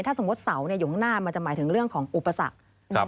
ถ้าสมมุติเสาอยู่ข้างหน้ามันจะหมายถึงเรื่องของอุปสรรค